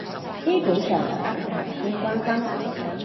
基本上反賊先關心